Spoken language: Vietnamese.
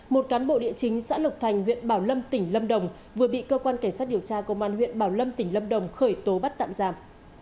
một cán bộ địa chính xã lộc thành huyện bảo lâm tỉnh lâm đồng vừa bị cơ quan cảnh sát điều tra công an huyện bảo lâm tỉnh lâm đồng khởi tố bắt tạm giam